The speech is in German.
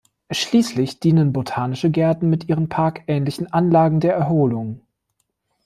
Schließlich dienen botanische Gärten mit ihren parkähnlichen Anlagen der Erholung.